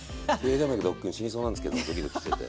動脈どっくん死にそうなんですけどドキドキしてて。